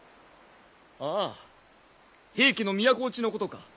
ああ平家の都落ちのことか。